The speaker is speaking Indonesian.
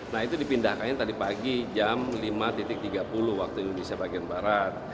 nah itu dipindahkannya tadi pagi jam lima tiga puluh waktu indonesia bagian barat